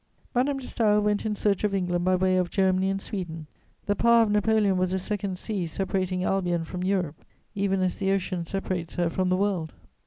Madame de Staël went in search of England by way of Germany and Sweden: the power of Napoleon was a second sea separating Albion from Europe, even as the Ocean separates her from the world.